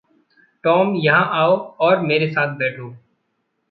Tom, यहाँ आओ और मेरे साथ बैठो।